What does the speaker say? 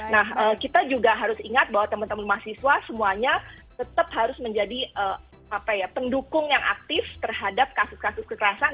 nah kita juga harus ingat bahwa teman teman mahasiswa semuanya tetap harus menjadi pendukung yang aktif terhadap kasus kasus kekerasan